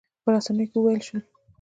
په رسنیو کې وویل شول.